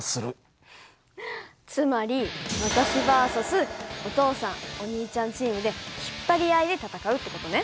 つまり私ＶＳ．お父さんお兄ちゃんチームで引っ張り合いで戦うって事ね。